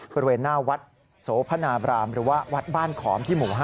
บริเวณหน้าวัดโสพนาบรามหรือว่าวัดบ้านขอมที่หมู่๕